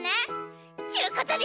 ちゅうことで。